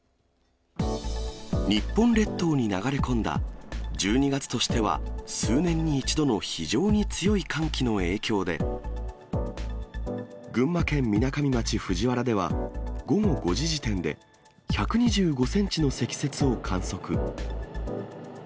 日本列島に流れ込んだ、１２月としては数年に一度の非常に強い寒気の影響で、群馬県みなかみ町藤原では、午後５時時点で、１２５センチの積雪を観測。